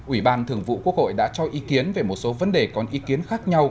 ủy ban thường vụ quốc hội đã cho ý kiến về một số vấn đề còn ý kiến khác nhau